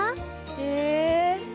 へえ！